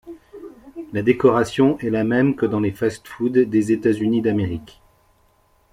La décoration est la même que dans les fast-foods des États-Unis d’Amérique.